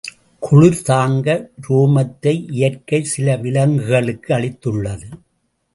குளிர் தாங்க உரோமத்தை இயற்கை சில விலங்குகளுக்கு அளித்துள்ளது.